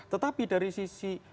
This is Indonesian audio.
tetapi dari sisi